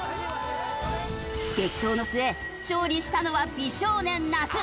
激闘の末勝利したのは美少年那須！